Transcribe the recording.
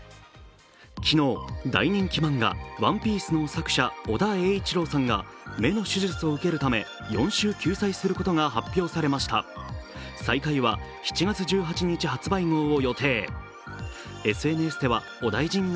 昨日、大人気漫画「ＯＮＥＰＩＥＣＥ」の作者、尾田栄一郎さんが目の手術を受けるため４週休載することが発表されました再開は７月１８日発売号を予定。